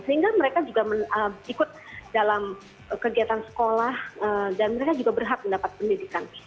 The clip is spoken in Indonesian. sehingga mereka juga ikut dalam kegiatan sekolah dan mereka juga berhak mendapat pendidikan